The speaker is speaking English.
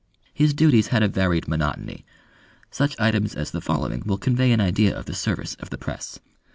His duties had a varied monotony. Such items as the following will convey an idea of the service of the press.